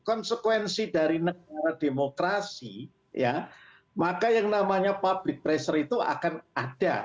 konsekuensi dari negara demokrasi ya maka yang namanya public pressure itu akan ada